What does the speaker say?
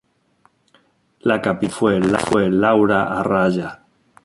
La capitana fue Laura Arraya.